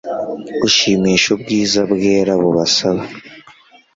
Gushimisha ubwiza bwera bubasaba